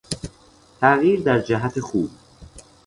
تغییر در جهت خوب